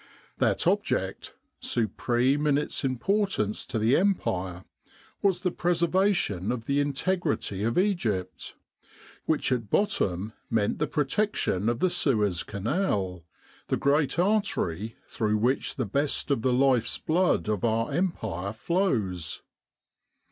That object, supreme in its importance to the Empire, was the preservation of the integrity of Egypt, which at bottom meant the protection of the Suez Canal the great artery through which the best of the life's blood of our Empire flows.